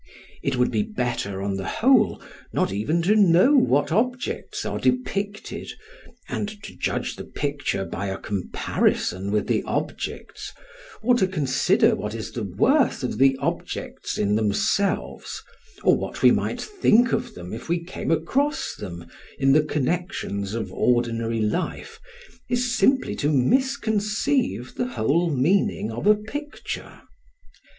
It would be better, on the whole, not even to know what objects are depicted; and, to judge the picture by a comparison with the objects, or to consider what is the worth of the objects in themselves, or what we might think of them if we came across them in the connections of ordinary life, is simply to misconceive the whole meaning of a picture.